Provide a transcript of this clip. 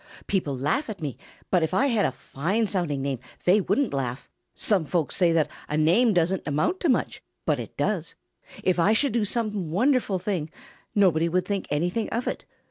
People laugh at me, but if I had a fine sounding name they wouldn't laugh. Some folks say that a name doesn't amount to anything, but it does. If I should do some wonderful thing, nobody would think anything of it.